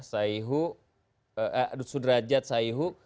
sayhu sudrajat sayhu